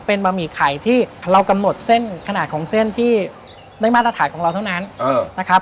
เป็นบะหมี่ไข่ที่เรากำหนดเส้นขนาดของเส้นที่ได้มาตรฐานของเราเท่านั้นนะครับ